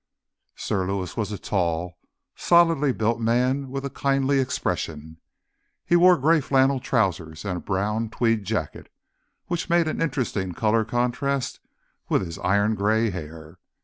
Sir Lewis was a tall, solidly built man with a kindly expression. He wore grey flannel trousers and a brown tweed jacket, which made an interesting color contrast with his iron grey hair.